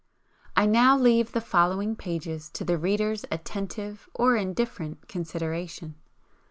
I now leave the following pages to the reader's attentive or indifferent consideration.